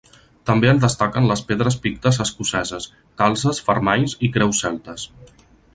També en destaquen les pedres pictes escoceses, calzes, fermalls i creus celtes.